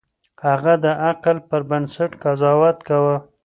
هغه د عقل پر بنسټ قضاوت کاوه.